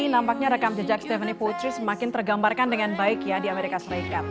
nampaknya rekam jejak stefany pultri semakin tergambarkan dengan baik ya di amerika serikat